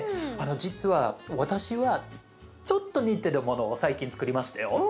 実は私はちょっと似てるものを最近つくりましたよ。